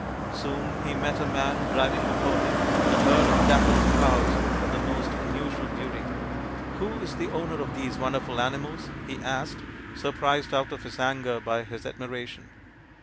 Soon he met a man driving before him a herd of dappled cows of most unusual beauty. " Who is the owner of these wonderful animals ?" he asked, surprised out of his anger by his admiration.